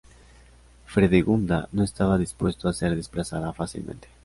Fredegunda no estaba dispuesta a ser desplazada fácilmente.